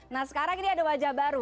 nah sekarang ini ada wajah baru